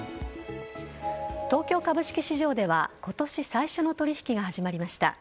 東京株式市場では今年最初の取引が始まりました。